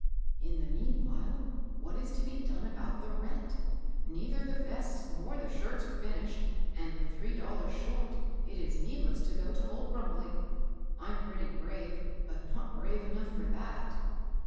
^' In the meanwhile what is to be done about the rent f Neither the vests nor the shirts are finished, and with three dollars short, it is needless to go to old Brumbley. I'm pretty brave, but not brave enough for ihat.